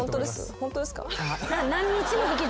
ホントですか？